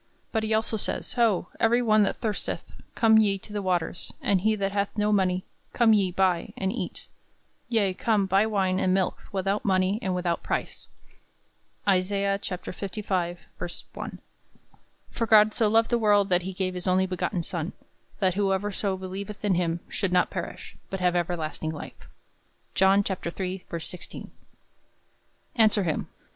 But he also says, "Ho, every one that thirsteth, come ye to the waters, and he that hath no money; come ye, buy, and eat; yea, come, buy wine and milk without money and without price." Isa. 55:1. "For God so loved the world, that he gave his only begotten Son, that whosoever believeth in him should not perish, but have everlasting life." John 3: 16. Answer him. Will you have it? C. J. Whitmore.